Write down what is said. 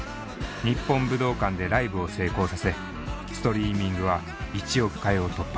日本武道館でライブを成功させストリーミングは１億回を突破。